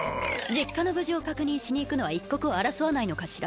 実家の無事を確認しに行くのは一刻を争わないのかしら？